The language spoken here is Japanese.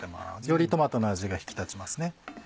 よりトマトの味が引き立ちます。